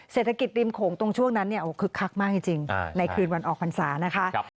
เศรษฐกิจริมโขงตรงช่วงนั้นคือคักมากจริงในคืนวันออกภัณฑ์ศาสตร์